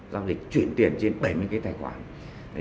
giao dịch chuyển tiền trên bảy mươi cái tài khoản